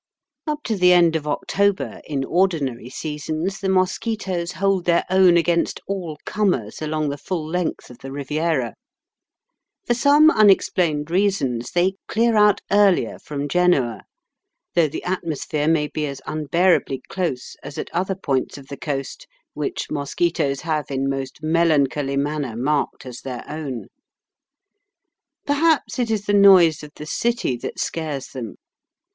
Up to the end of October, in ordinary seasons, the mosquitoes hold their own against all comers along the full length of the Riviera. For some unexplained reasons they clear out earlier from Genoa, though the atmosphere may be as unbearably close as at other points of the coast which mosquitoes have in most melancholy manner marked as their own. Perhaps it is the noise of the city that scares them.